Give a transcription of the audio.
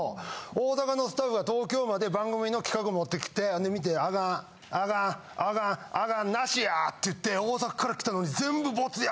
大阪のスタッフが東京まで番組の企画持ってきてほんで見て「アカンアカンアカン。無しや！」って言って大阪から来たのに全部ボツや。